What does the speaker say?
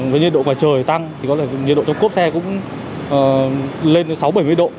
với nhiệt độ ngoài trời tăng thì có thể nhiệt độ trong cốp xe cũng lên đến sáu bảy mươi độ